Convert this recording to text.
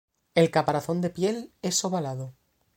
El caparazón de piel es ovalado.